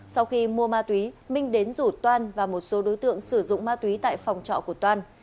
sau khi mua ma túy minh đến rủ toan và một số đối tượng sử dụng ma túy tại phòng trọ của toan